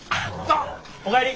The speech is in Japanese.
お帰り。